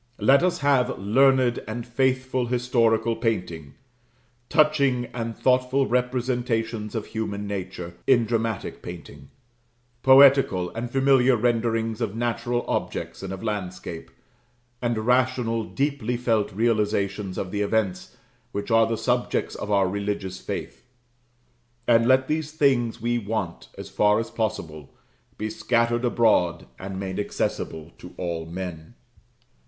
Let us have learned and faithful historical painting touching and thoughtful representations of human nature, in dramatic painting; poetical and familiar renderings of natural objects and of landscape; and rational, deeply felt realizations of the events which are the subjects of our religious faith. And let these things we want, as far as possible, be scattered abroad and made accessible to all men.